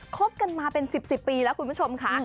คบกันมาเป็น๑๐ปีแล้วคุณผู้ชมค่ะ